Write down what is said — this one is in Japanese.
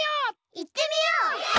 いってみよう！